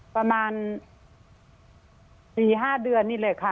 ประมาณ๔๕เดือนนี่แหละค่ะ